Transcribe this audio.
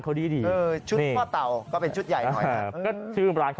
์ชุดข้อเต่าก็เป็นชุดใหญ่